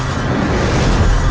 aku mau kesana